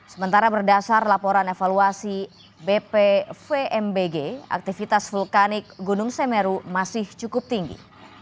sementara berdasar laporan evaluasi bpvmbg aktivitas vulkanik gunung semeru masih cukup tinggi